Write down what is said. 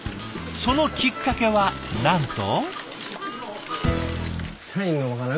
そのきっかけはなんと。